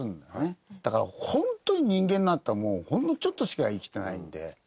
だからホントに人間なんていうのはもうほんのちょっとしか生きてないんで。